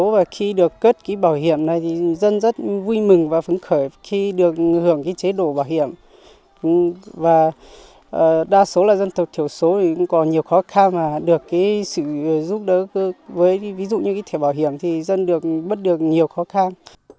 với ví dụ như cái thẻ bảo hiểm thì dân được bất được nhiều khó khăn